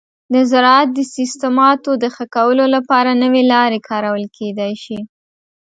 د زراعت د سیستماتو د ښه کولو لپاره نوي لارې کارول کیدی شي.